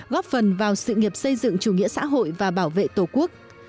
góp phần vào sự nghiệp xây dựng chủ nghĩa xã hội và bảo vệ tổ quốc